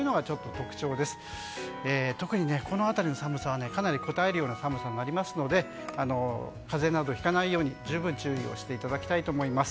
特に、この辺りの寒さはかなりこたえるような寒さになりますので風邪などひかないように十分、注意をしていただきたいと思います。